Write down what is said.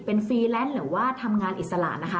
เป็นฟรีแลนซ์หรือว่าทำงานอิสระนะคะ